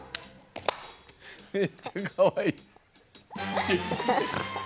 めっちゃかわいい。